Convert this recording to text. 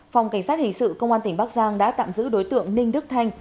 phòng cảnh sát hình sự công an tỉnh bắc giang đã tạm giữ đối tượng ninh đức thanh